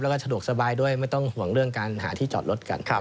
แล้วก็สะดวกสบายด้วยไม่ต้องห่วงเรื่องการหาที่จอดรถกัน